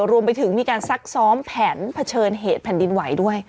รวมไปถึงมีการซักซ้อมแผนเผชิญเหตุแผ่นดินไหวด้วย